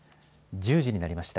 １０時になりました。